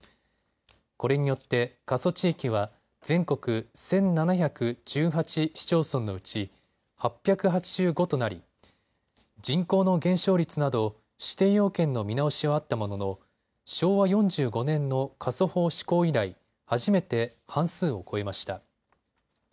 これによって過疎地域は全国１７１８市町村のうち８８５となり、人口の減少率など指定要件の見直しはあったものの昭和４５年の過疎法施行以来、初めて半数を超えました。